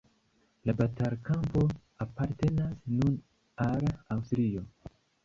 La batalkampo apartenas nun al Aŭstrio.